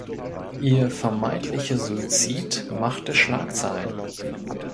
Ihr (vermeintlicher) Suizid machte Schlagzeilen.